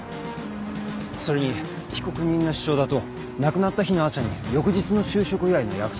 それに被告人の主張だと亡くなった日の朝に翌日の就職祝いの約束をしていた。